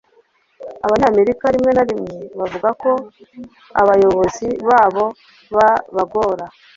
Abanyamerika Rimwe na rimwe Bavugako abayobozi babo babagora